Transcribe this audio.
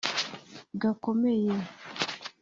Gakomeye